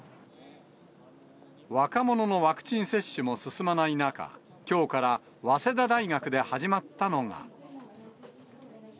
若者のワクチン接種も進まない中、きょうから早稲田大学で始まったのが。